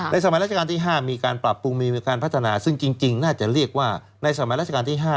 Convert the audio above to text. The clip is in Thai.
สมัยราชการที่๕มีการปรับปรุงมีการพัฒนาซึ่งจริงน่าจะเรียกว่าในสมัยราชการที่๕